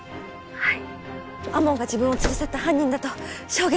はい。